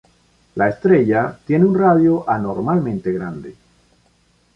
La estrella tiene un radio anormalmente grande.